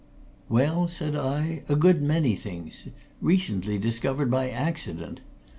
"Well," said I, "a good many things recently discovered by accident.